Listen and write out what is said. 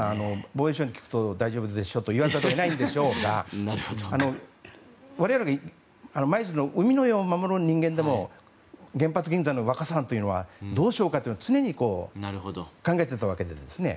防衛省に聞くと大丈夫ですと言わざるを得ないんでしょうが我々が舞鶴の海の上を守る人間でも原発の湾というのはどうしようかというのは常に考えているわけですよね。